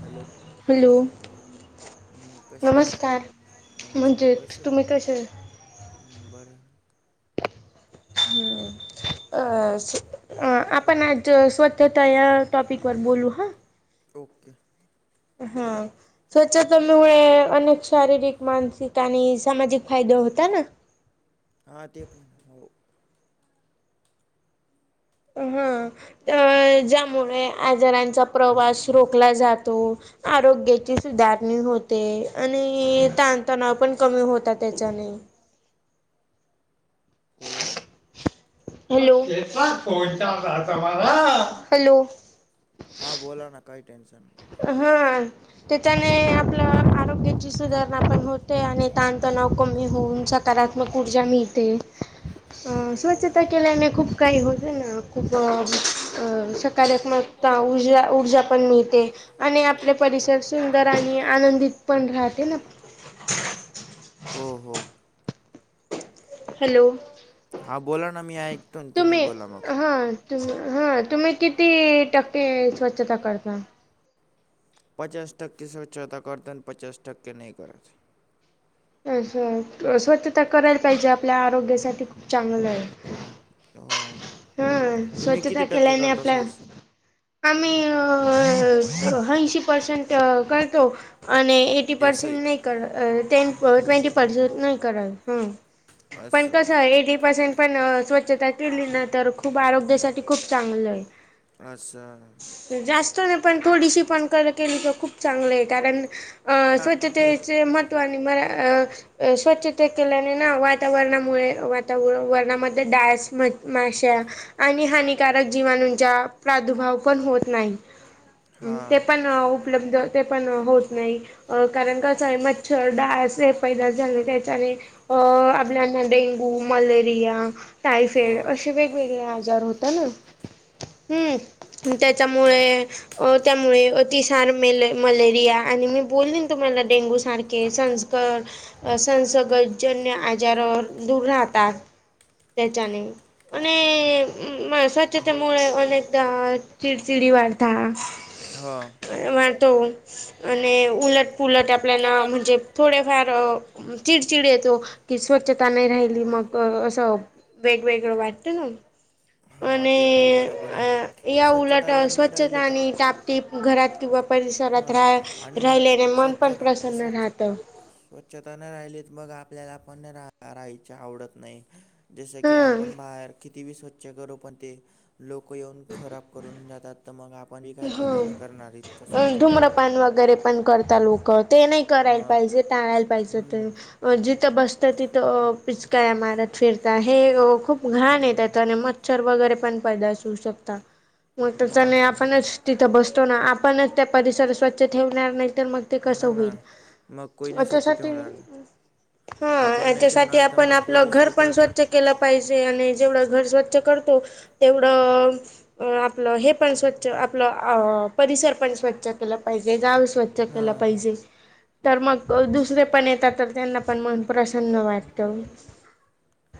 Hello hello हम्म, कसे आहोत नमस्कार तुम्ही नमस्कार म्हणजे कसे हो तुम्ही कसे बरं हम् अ हम्म, अ आपण आज स्वच्छता या टॉपिक वर बोलू ह ओके हा स्वच्छतेमुळे अनेक शारीरिक मानसिक आणि सामाजिक फायदा होता ना हा ते पण हो हा अ ज्यामुळे आजारांचा प्रवास रोखला जातो आरोग्याची सुधारणी होते आणि ताणतणाव पण कमी होता त्याच्याने हो हॅलो [inaudible] हा बोला ना काही टेन्शन नाही हा त्यांच्यामध्ये आपलं आरोग्याची सुधारणा पण होते आणि ताणतणाव कमी होऊ सकारात्मक ऊर्जा मिळते अ हो हो स्वच्छता हो केल्याने खूप काही होत ना खूप सकारात्मक ऊर्जा ऊर्जा पण मिळते आणि आपले परिसर सुंदर आणि आनंदित पण राहते ना हो हो हॅलो हां बोला ना मी ऐकतो ना तुम्ही बोला मग हा तुम् हां तुम्ही किती टक्के स्वच्छता करता पचास टक्के स्वच्छता करत पचास टक्के नाही करत अं स्वच्छता करायला पाहिजे आपल्या आरोग्यासाठी खूप चांगलं आहे हो हो हा तुम्ही किती टक्के करताो स असत आमी हैशी पर्सेंट करतो आणि टी असं पर्सेंट आहे का नाही करल टेन ट्वेंटी पर्सेंट नाही करल पण असं कस एटी पर्सेंट पण स्वच्छता केली ना तर खूप आरोग्यासाठी खूप चांगलं आहे असं जास्त नाही पण थोडीशी पण क [inaudible] केली तर खूप चांगले कारण हां स्वच्छ तेचे महत्त्वाने मरा स्वच्छता केल्याने ना वातावरणामुळे वाता वर्णामध्ये डास माशी आणि हानिकारक जीवाणूंचा प्रादुर्भाव पण होत नाही हां ते पण उपलब्ध ते पण होत नाही अ कारण कसं आहे मच्छर डांस अस पैदाच झालं त्याच्याने अ आपल्याना डेंगू मलेरिया टायफाइड हां असे वेग वेगळे आजार होत ना हम् त्यांच्यामुळे अ त्यामुळे ति सार म मलेरिया आणि मी बोललीन तुम्हाला डेंगू सारखे स संसर्गजन्य आजारावर दूर राहतात त्यांच्या ने आणि म स्वच्छतेमुळे अनेकदा चिडचिडी वाढता हां [unintelligible] आणि उलट पुुलट आपल्याला म्हणजे थोडेफार चिडचिड येतो की स्वच्छता नाही राहिली मग असं वेगवेगळं वाट हां ते पण आणि बरोबर आहे या उलट स्वच्छता जर नाही राहिली स्वच्छता तर टाप ते घरात किंवा परिसरात हां राहा आणि राहिल्याने मन स्वच्छ पण रा प्रसन्न स्वच्छ राहतं स्वच्छता न राहिलीत मग आपल्याला पण रा राहायच आवडत नाही जस की हा. आपण बाहेर किती बी स्वच्छ करू पण ते लोक येऊन खराब करून जातात तर मग आपणही काय कर करणार इत स्वच्छ ठेवून धुम्रपान वगैरे पण करतात लोक ते नाही करायला मग पाहिजे टाळायला हम्म, पाहिजे जिथं बसतं तिथं पिचका्या मार्यात फिरता हे खूप घाण येत हम्म, त्या आणि मच्छर वगैरे पण पैदा अस होऊ शकता मग त्याने पणच तिथं बसतो ना आपणच त्या परिसरात स्वच्छ ठेवणार नाही तर मग ते कसं हां ना होईल मग कोणी त्या नाही स्वच्छ त्यासाठी ठेवणार ना. हा आपण नाही त्याच्यासाठी ठेवणार तर आपण मग कोणी आपलं घर दुसरं पण काय काय स्वच्छ केलं पाहिजे आणि जेवढं घर स्वच्छ करतो तेवढं अ आपलं हे पण स्वचछ आपला अ परिसर पण स्वच्छ केला पाहिजे गाव स्वच्छ केलं हां पाहिजे तर मग दुसरे पण येतात तर त्यांना पण मन प्रसन्न वाटतं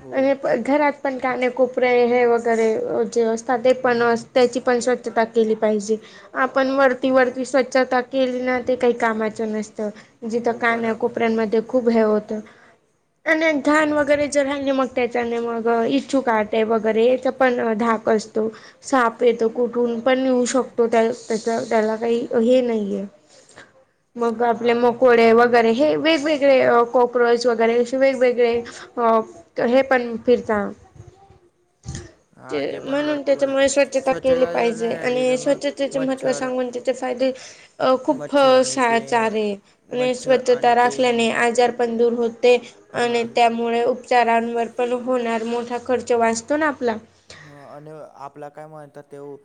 हो आणि घरात पण काणे कोुपरे हे वगैरे जे असतात ते पण त्याची पण स्वछ तेता केली पाहिजे आपण वरती हो वरती स्वच्छता केली ना ते काही कामाचं नसतं जिथं हो कान बराबर कोपऱ्यांमध्ये खूप हे होतं आणि घान वगैरे जर राहिलले मग त्याचाने मग इच्छू कातय वगैरेच पण ाप तो साप येतो कुठ ून पण नेऊ शकतो त्या त्या त्याला काही हे नाहीये मग आपले हां मोकोळे वगैरे हे वेगवेगळे कॉक्रोच वगैरे असे वेगवेगळे अ हे पण फिरता हा ते पण म्हणून बरोबर आहे त्याच्यामुळे स्वच्छता केली स्वच्छता ली तर मग मच्छर त ते फादे खूप मच्छर आणि ते ार आहे म्ह मच्छर स्वच्छता आणि ते राखल्याने आजार दूर होते हा आणि त्यामुळे चारांवर पण होणार मोठा खर्च वाचतो ना आपला ह आणि आपला काय म्हणतात तेव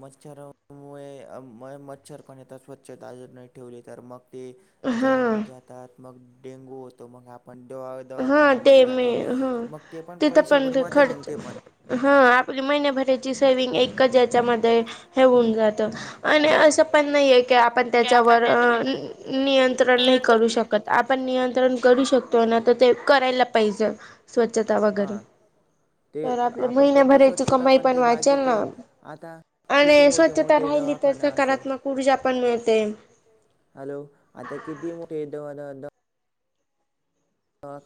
मच्छर त्यामुळे म मच्छरपण येेतात स्वच्छताजून नाही ठेवली तर मग ते हा चाहून जातात मग डेंगू होतो मग आप पण दवा हा दवाखानना्यामध्ये ते मी जातो हा मग ते पण तिथं पैसे ते भरबातच खर्च ते पण हा आपली महिने भरायची सेवि्हंग एकज याच्यामध्येध्ये हे होऊन जातं हां आणि असं पण नाही आहे की आपण त्याच्यावर नियंत नि्रण नाही करू शकत आपण नियंत्रण करू शकतो ना तर ते करायला पाहिजे स्वच्छता वगैरे हां ते तर आपल्या आपण करतो महिन्याभराची स्वच्छता कमाई पण ते वाचेल बाकीचे ना आता किती आणि मोठे स्वच्छता मोठे राहिली तर दवाखाने असो सकारात्मक ऊर्जा पण मिळते हॅलो आता किती मोठेत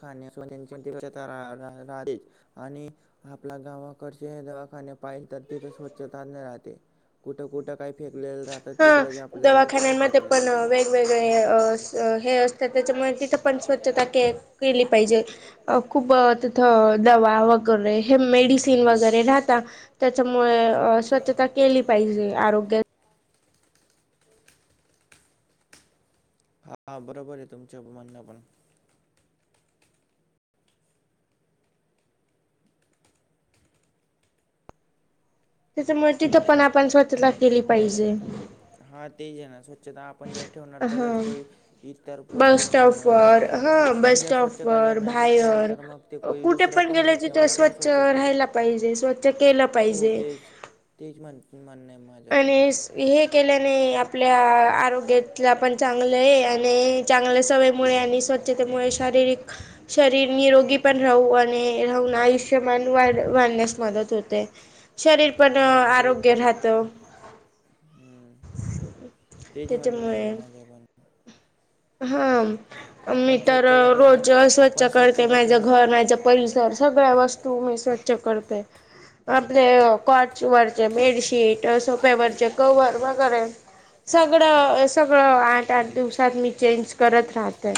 खाणे असून त्यांचीव राहतेच आणि आपल्या गावाकडचे हे दवाखाने पाहिले तर तिथे स्वच्छताज राहते कुठं कुठं काय फेकलेलं राहत तिकडच आपल्याला काय कर वेवेगळे हे असतात त्याच्यामुळे तिथं पण स्वच्छता के केली पाहिजे अ खूप तिथं दवा वगैरे हे मेडिसिन वगैरे राहता त्याच्यामुळे स्वच्छता केली पाहिजे आरोग्य हा बरोबर आहे तुमच्या अभमान्य पण त्याच्यामुळे तिथं पण आपण स्वतछता केली पाहिजे हा तेच आहे ना स्वछ आपण जर ठेवणार तर हा. को इ पण बस ते ठेवणार ना स्टॉपवर हा आपण बस जर स्वछ बाहेर कुठे दुसरं पण गेल्या नाही तथ ठेवणार स्व ना स्वच्छता राहाला पाहिजे स्व केलं हो पाहिजे तेच तेच म्हण म्हण नाही आहे मला आणि हे केल्याने आपल्या आरोग्यात पण चांगले आणि चांगल्या सवयीमुळे आणि स्वच्छतेमुळे शारीरिक शरीर निरोगी पण राहू आणि राहून आयुष्यमान वाढ वाढण्यास मदत होते शरीर पण आरोग्य राहतं ह् ते ज म्हण नाही त्याच्यामुळे माझ्या पण हा मी आपण तर स्वच्छता ठेवणार रोज स्वच्छ आपण करते स्वच्छता माझं ठेवणार घर माझं परिसर सगळ्या वस्तू मी स्वच्छ करते आपले कॉच वरचे बेडशीट सोफ्यावरचे कवर वगैरे सगळं सगळं आठ आठ दिवसात मी चेंज करत राहतय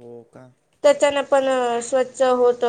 हो का त्याच्यान पण स्वच्छ होत